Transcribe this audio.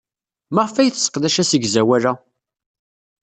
Maɣef ay tesseqdac asegzawal-a?